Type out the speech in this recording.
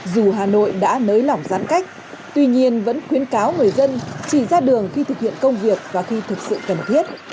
dù hà nội đã nới lỏng giãn cách tuy nhiên vẫn khuyến cáo người dân chỉ ra đường khi thực hiện công việc và khi thực sự cần thiết